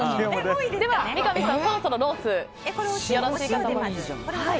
では、三上さんそろそろロースよろしいかと思います。